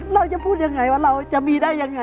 เราจะพูดยังไงว่าเราจะมีได้ยังไง